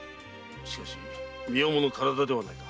しかし身重の身体ではないか？